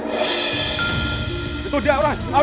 itu dia orang